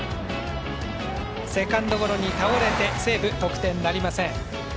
セカンドゴロに倒れて西武、得点なりません。